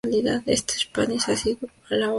Este "Upanishad" ha sido muy alabado.